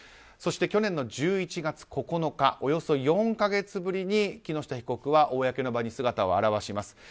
そして、去年の１１月９日およそ４か月ぶりに木下被告は公の場に姿を現します。